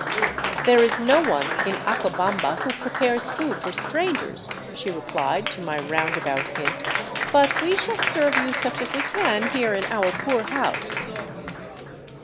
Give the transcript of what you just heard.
I " There is no one in Acobamba who prepares food for strangers," jshe replied to my roundabout hint, " but we shall serve you such as we can here in our poor house."